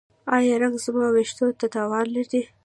ایا رنګ زما ویښتو ته تاوان لري؟